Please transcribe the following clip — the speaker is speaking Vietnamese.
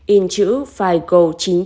in chữ figo chín nghìn chín trăm chín mươi chín